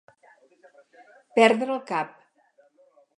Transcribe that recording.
Perdre el cap.